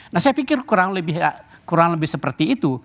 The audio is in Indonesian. nah saya pikir kurang lebih seperti itu